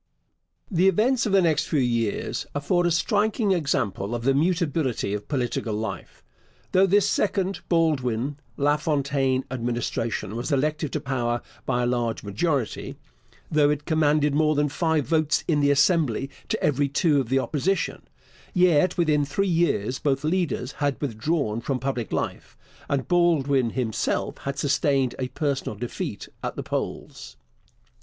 The events of the next few years afford a striking example of the mutability of political life. Though this second Baldwin LaFontaine Administration was elected to power by a large majority though it commanded more than five votes in the Assembly to every two of the Opposition yet within three years both leaders had withdrawn from public life, and Baldwin himself had sustained a personal defeat at the polls.